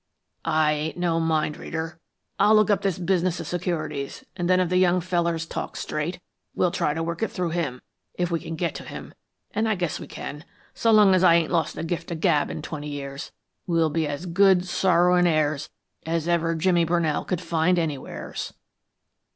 "I ain't no mind reader. I'll look up this business of securities, and then if the young feller's talked straight, we'll try to work it through him, if we can get to him, and I guess we can, so long as I ain't lost the gift of the gab in twenty years. We'll be as good, sorrowing heirs as ever Jimmy Brunell could find anywheres."